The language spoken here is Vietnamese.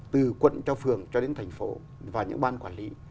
từ quận cho phường cho đến thành phố và những ban quản lý